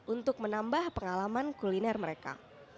untuk menambah pengalaman kuliner mereka